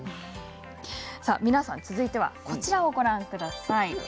皆さん続いてはこちらをご覧ください。